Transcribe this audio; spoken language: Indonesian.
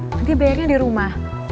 nanti bayarnya dirumah